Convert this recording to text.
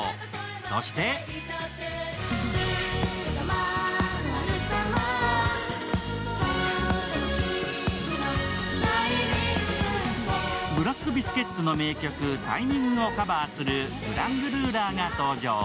そしてブラックビスケッツの名曲「Ｔｉｍｉｎｇ」をカバーするクラング・ルーラーが登場。